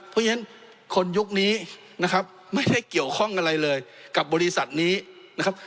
เพราะฉะนั้นคนยุคนี้นะครับไม่ได้เกี่ยวข้องอะไรเลยกับบริษัทนี้นะครับ